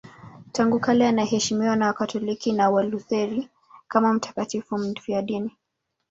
Tangu kale anaheshimiwa na Wakatoliki na Walutheri kama mtakatifu mfiadini.